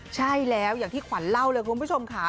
ใช่แล้วอย่างที่ขวัญเล่าเลยคุณผู้ชมค่ะ